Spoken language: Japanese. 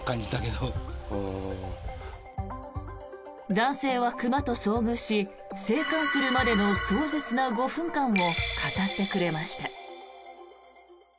男性は熊と遭遇し生還するまでの壮絶な５分間を語ってくれました。